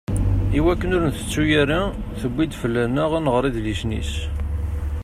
Iwakken ur t-ntettu ara, tuwi-d fell-aneɣ ad nɣer idlisen-is.